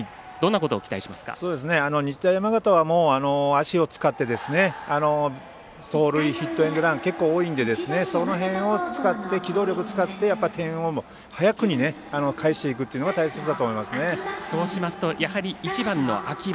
山形は足を使って盗塁、ヒットエンドラン結構、多いのでその辺、機動力を使って点を早くに返していくというのがそうしますと１番の秋葉